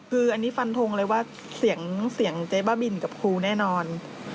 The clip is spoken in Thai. คืออันนี้ฟันทงเลยว่าเสียงเจ๊บ้าบินกับครูแน่นอน